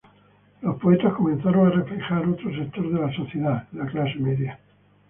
Los poetas comenzaron a reflejar otro sector de la sociedad: la clase media.